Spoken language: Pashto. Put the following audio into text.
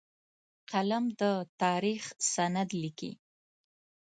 قلم د تاریخ سند لیکي